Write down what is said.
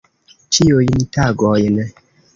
Ĉiujn tagojn.